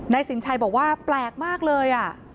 สินชัยบอกว่าแปลกมากเลย